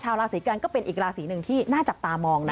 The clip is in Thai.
ราศีกันก็เป็นอีกราศีหนึ่งที่น่าจับตามองนะ